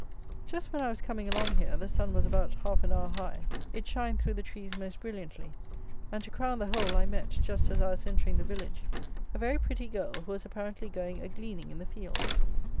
Just when I was coming along here, the sun was about half an hour high; it shined through the trees most brilliantly; and, to crown the whole, I met, just as I was entering the village, a very pretty girl, who was apparently going a gleaning in the fields.